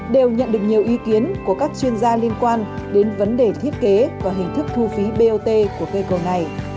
đều nhận được nhiều ý kiến của các chuyên gia liên quan đến vấn đề thiết kế và hình thức thu phí bot của cây cầu này